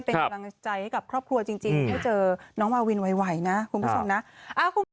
เป็นกำลังใจให้กับครอบครัวจริงให้เจอน้องมาวินไวนะคุณผู้ชมนะ